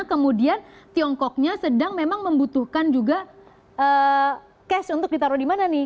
kemudian tiongkoknya sedang memang membutuhkan juga cash untuk ditaruh di mana nih